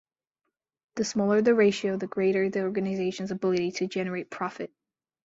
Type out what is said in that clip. The smaller the ratio, the greater the organization's ability to generate profit.